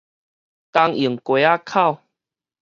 東榮街仔口